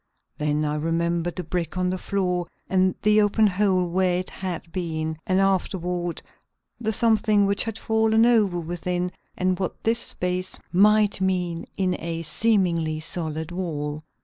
Then I remembered the brick on the floor and the open hole where it had been, and afterward the something which had fallen over within and what this space might mean in a seemingly solid wall.